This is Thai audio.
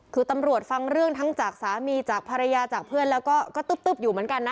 คือตำรวจฟังเรื่องทั้งจากสามีจากภรรยาจากเพื่อนแล้วก็ตึ๊บอยู่เหมือนกันนะ